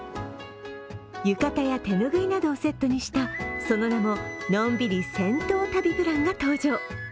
浴衣や手拭いなどをセットにしたその名も、のんびり銭湯旅プランが登場。